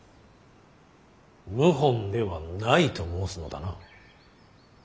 謀反ではないと申すのだな。